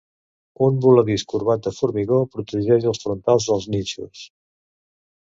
Un voladís corbat de formigó protegeix els frontals dels nínxols.